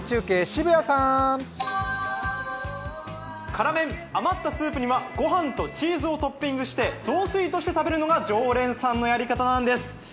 辛麺、余ったスープには御飯とチーズをトッピングして雑炊として食べるのが常連さんのやり方なんです。